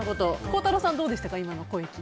孝太郎さんはどうでしたか？